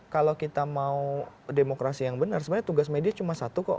kalau kita mau demokrasi yang benar sebenarnya tugas media cuma satu kok